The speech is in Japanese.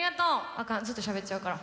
アカンずっとしゃべっちゃうから。